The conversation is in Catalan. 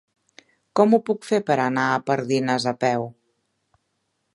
Com ho puc fer per anar a Pardines a peu?